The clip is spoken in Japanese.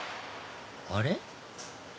「あれ」？